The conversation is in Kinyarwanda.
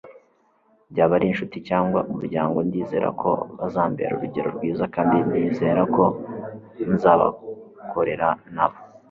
byaba ari inshuti cyangwa umuryango, ndizera ko bazambera urugero rwiza, kandi nizere ko nzabakorera nabo